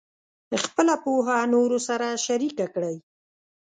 خپله پوهه نورو سره شریکه کړئ.